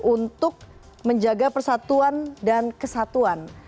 untuk menjaga persatuan dan kesatuan